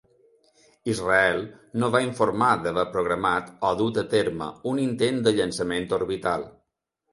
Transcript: Israel no va informar d'haver programat, o dut a terme un intent de llançament orbital.